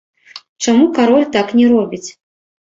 Чаму кароль так не робіць?